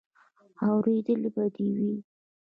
اورېدلې به دې وي.